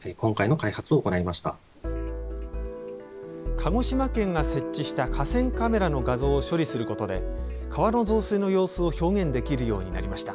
鹿児島県が設置した河川カメラの画像を処理することで川の増水の様子を表現できるようになりました。